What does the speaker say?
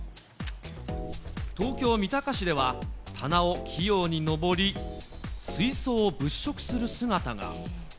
東京・三鷹市では、棚を器用に上り、水槽を物色する姿が。